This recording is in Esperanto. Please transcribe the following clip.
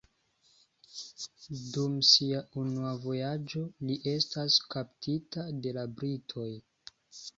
Dum sia unua vojaĝo li estas kaptita de la britoj.